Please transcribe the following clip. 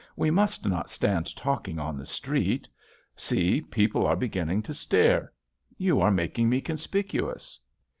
"We must not stand talking on the street. See, people are begin ning to stare. You are making me conspicu ous."